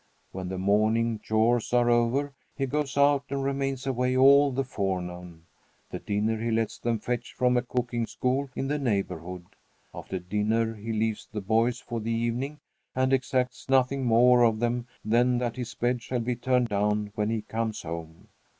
When the morning chores are over, he goes out and remains away all the forenoon. The dinner he lets them fetch from a cooking school in the neighborhood. After dinner he leaves the boys for the evening, and exacts nothing more of them than that his bed shall be turned down when he comes home.